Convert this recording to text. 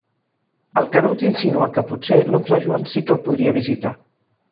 El Canut insinua que potser l'oncle Joan sí que el podria visitar.